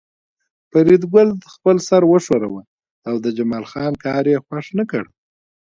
فریدګل خپل سر وښوراوه او د جمال خان کار یې خوښ نکړ